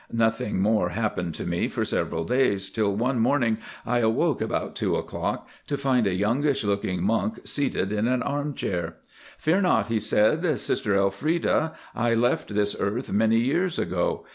Nothing more happened to me for several days, till one morning I awoke about two o'clock to find a youngish looking monk seated in an armchair. 'Fear not,' he said, 'Sister Elfreda, I left this earth many years ago.